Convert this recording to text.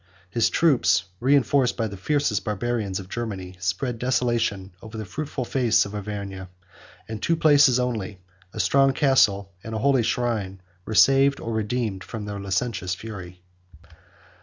His troops, reenforced by the fiercest Barbarians of Germany, 104 spread desolation over the fruitful face of Auvergne; and two places only, a strong castle and a holy shrine, were saved or redeemed from their licentious fury.